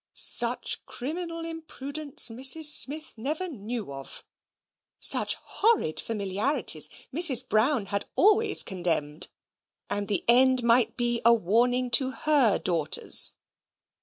Such criminal imprudence Mrs. Smith never knew of; such horrid familiarities Mrs. Brown had always condemned, and the end might be a warning to HER daughters.